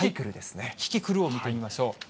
キキクルを見てみましょう。